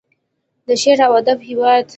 د شعر او ادب هیواد.